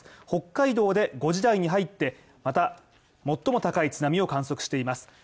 北海道で５時台に入って、また最も高い津波を観測しています。